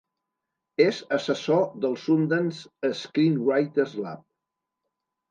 És assessor del Sundance Screenwriters Lab.